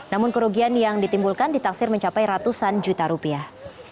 namun kerugian yang ditimbulkan ditaksir mencapai ratusan juta rupiah